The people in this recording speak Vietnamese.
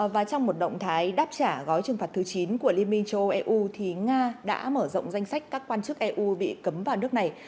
và trong một động thái đáp trả gói trừng phạt thứ chín của liên minh châu âu eu thì nga đã mở rộng danh sách các quan chức eu bị cấm vào nước này